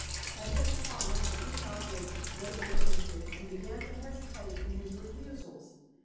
At this promise the Peacock was greatly tempted and began to hesitate in his refusals.